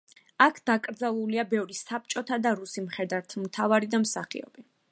აქ დაკრძალულია ბევრი საბჭოთა და რუსი მხედართმთავარი და მსახიობი.